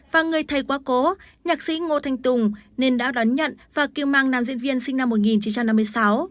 và người thầy quá cố nhạc sĩ ngô thanh tùng nên đã đón nhận và kêu mang nam diễn viên sinh năm một nghìn chín trăm năm mươi sáu